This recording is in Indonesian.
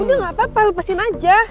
ya udah gapapa lepasin aja